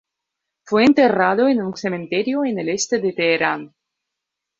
Fue enterrado en un cementerio en el este de Teherán.